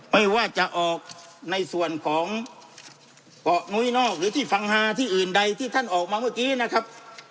ไม่ว่าจะออกในส่วนของเกาะนุ้ยนอกหรือที่ฟังฮาที่อื่นใดที่ท่านออกมาเมื่อกี้นะครับ